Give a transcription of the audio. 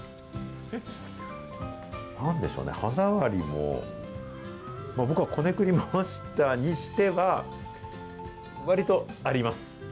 なんでしょうね、歯触りも、僕がこねくり回したにしては、わりとあります。